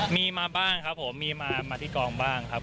มีมาบ้างครับผมมีมาที่กองบ้างครับ